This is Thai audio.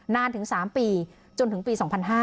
นานถึง๓ปีจนถึงปี๒๕๕๙